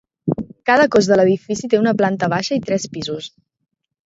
Cada cos de l'edifici té una planta baixa i tres pisos.